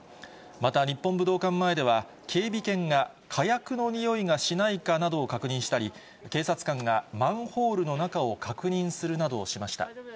また日本武道館前では、警備犬が火薬のにおいがしないかなどを確認したり、警察官がマンホールの中を確認するなどしました。